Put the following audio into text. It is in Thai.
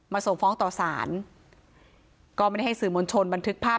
ส่งฟ้องต่อสารก็ไม่ได้ให้สื่อมวลชนบันทึกภาพ